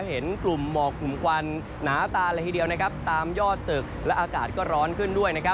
เห็นกลุ่มหมอกกลุ่มควันหนาตาเลยทีเดียวตามยอดตึกและอากาศก็ร้อนขึ้นด้วย